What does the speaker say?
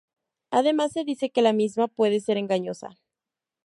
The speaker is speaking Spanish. Además, se dice que la misma puede ser engañosa.